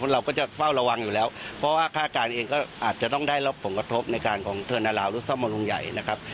เราก็จะเฝ้าระวังอยู่แล้วเพราะว่าฆ่าศักดิ์อันเองก็อาจจะต้องได้ลบผลกระทบในการของเทินอลาวรุ่นซ่อมมัลงใหญ่นะครับ